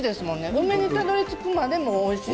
梅にたどりつくまでもおいしい。